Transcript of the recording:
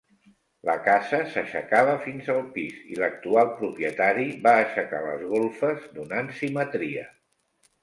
La casa s'aixecava fins al pis i l'actual propietari va aixecar les golfes donant simetria.